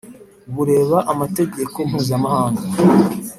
bureba amategeko mpuzamahaga